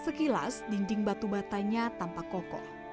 sekilas dinding batu batanya tampak kokoh